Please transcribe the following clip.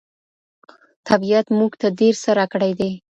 طبيعت موږ ته ډېر څه راکړي دي.